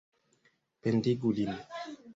Pendigu lin!